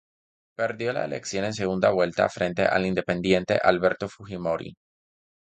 Perdió la elección en segunda vuelta frente al independiente Alberto Fujimori.